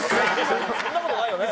そんな事ないよね。